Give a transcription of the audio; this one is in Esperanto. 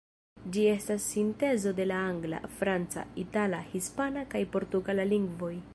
Ĝi estas sintezo de la angla, franca, itala, hispana kaj portugala lingvoj.